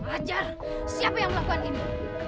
wajar siapa yang melakukan ini